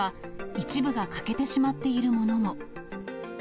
一部が欠けてしまっているものも。